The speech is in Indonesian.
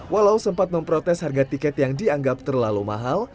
walau sempat memprotes harga tiket yang dianggap terlalu mahal